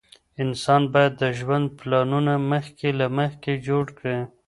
انسان باید د ژوند پلانونه مخکې له مخکې جوړ کړي.